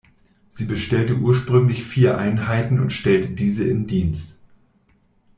Sie bestellte ursprünglich vier Einheiten und stellte diese in Dienst.